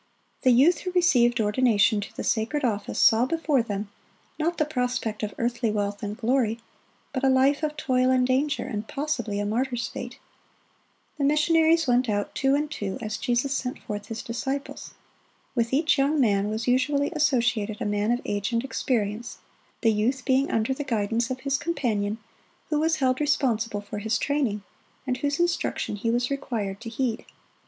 The youth who received ordination to the sacred office saw before them, not the prospect of earthly wealth and glory, but a life of toil and danger, and possibly a martyr's fate. The missionaries went out two and two, as Jesus sent forth His disciples. With each young man was usually associated a man of age and experience, the youth being under the guidance of his companion, who was held responsible for his training, and whose instruction he was required to heed.